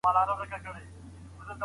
که مواد پیچلي وي نو باید وویشل سي.